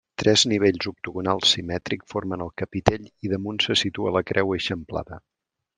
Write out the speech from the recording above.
Tres nivells octogonals simètrics formen el capitell i damunt se situa la creu eixamplada.